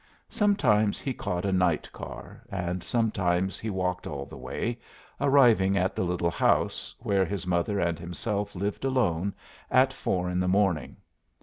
Sometimes he caught a night car, and sometimes he walked all the way, arriving at the little house, where his mother and himself lived alone, at four in the morning.